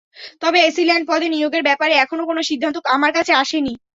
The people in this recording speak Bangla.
তবে এসি ল্যান্ড পদে নিয়োগের ব্যাপারে এখনো কোনো সিদ্ধান্ত আমার কাছে আসেনি।